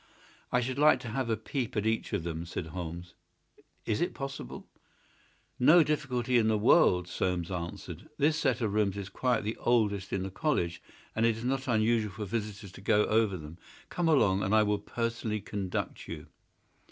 "I should like to have a peep at each of them," said Holmes. "Is it possible?" "No difficulty in the world," Soames answered. "This set of rooms is quite the oldest in the college, and it is not unusual for visitors to go over them. Come along, and I will personally conduct you."